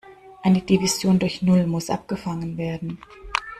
Eine Division durch null muss abgefangen werden.